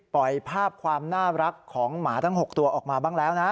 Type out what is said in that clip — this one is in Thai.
ปล่อยภาพความน่ารักของหมาทั้ง๖ตัวออกมาบ้างแล้วนะ